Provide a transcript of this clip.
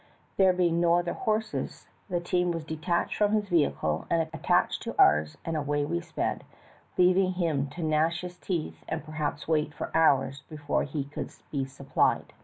There being no other horses, the team was detached from his vehicle and attached to ours and away we sped, leaving him to gnash his teeth and perhaps wait for hours before he could be sup plied*.